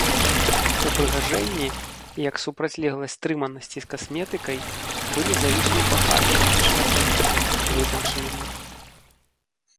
Упрыгажэнні, як супрацьлегласць стрыманасці з касметыкай, былі залішне багатымі, шматлікімі, вытанчанымі.